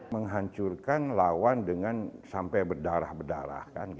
menghancurkan lawan dengan sampai berdarah berdarah